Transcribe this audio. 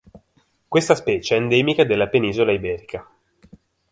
Questa specie è endemica della penisola iberica.